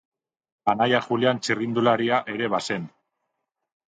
Anaia Julian txirrindularia ere bazen.